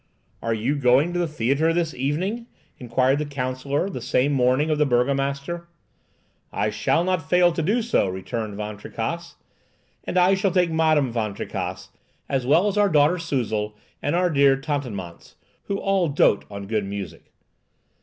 "Are you going to the theatre this evening?" inquired the counsellor the same morning of the burgomaster. "I shall not fail to do so," returned Van Tricasse, "and I shall take Madame Van Tricasse, as well as our daughter Suzel and our dear Tatanémance, who all dote on good music."